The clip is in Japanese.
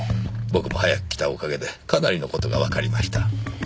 僕も早く来たおかげでかなりの事がわかりました。